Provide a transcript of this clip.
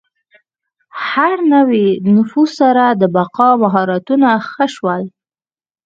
هر نوي نفوذ سره د بقا مهارتونه ښه شول.